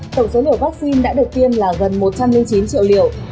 tổng số liều vaccine đã được tiêm là gần một trăm linh chín triệu liều